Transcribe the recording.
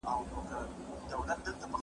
پلان جوړونه د پرمختګ لپاره ډیره اړینه ده.